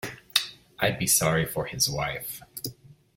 I'd be sorry for his wife.